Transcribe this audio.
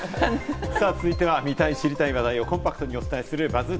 さぁ続いては、見たい知りたい話題をコンパクトにお伝えするＢＵＺＺ